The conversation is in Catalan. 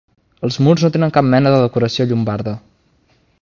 Els murs no tenen cap mena de decoració llombarda.